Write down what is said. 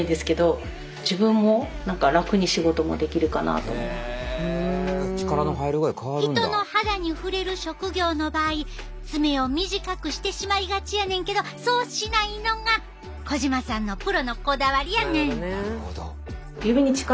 やっぱり人の肌に触れる職業の場合爪を短くしてしまいがちやねんやけどそうしないのが児島さんのプロのこだわりやねん。